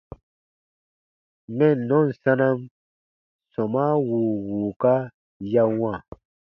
Mɛnnɔn sanam sɔmaa wùu wùuka ya wãa.